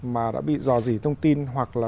mà đã bị dò dỉ thông tin hoặc là